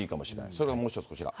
それからもう１つこちら。